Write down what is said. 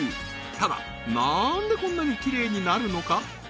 ただ何でこんなにきれいになるのか？